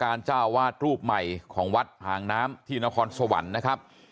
เจ้าวาดรูปใหม่ของวัดหางน้ำที่นครสวรรค์นะครับ